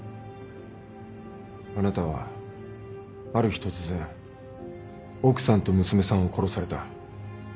あなたはある日突然奥さんと娘さんを殺された。